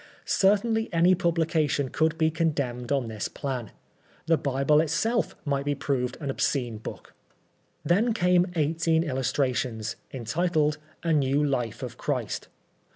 Certainly any publication could be condemned on this plan. The Bible itself might be proved an obscene book. Then came eighteen illustrations, entitled " A New Life of Christ."